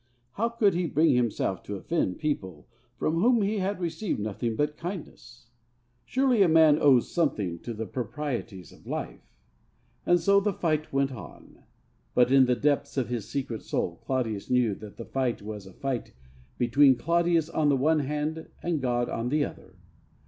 How could he bring himself to offend people from whom he had received nothing but kindness? Surely a man owes something to the proprieties of life! And so the fight went on. But in the depths of his secret soul Claudius knew that that fight was a fight between Claudius on the one hand and God on the other.